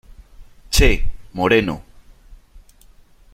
¡ che , moreno !...